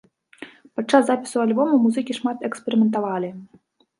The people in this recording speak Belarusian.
Падчас запісу альбома музыкі шмат эксперыментавалі.